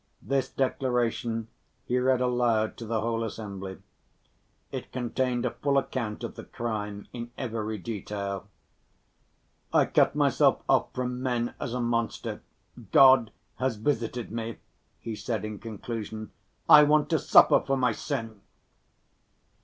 This declaration he read aloud to the whole assembly. It contained a full account of the crime, in every detail. "I cut myself off from men as a monster. God has visited me," he said in conclusion. "I want to suffer for my sin!"